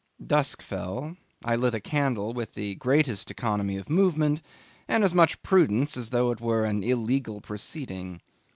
Dusk fell; I lit a candle with the greatest economy of movement and as much prudence as though it were an illegal proceeding.